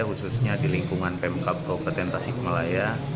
khususnya di lingkungan pemkap kabupaten tasikmalaya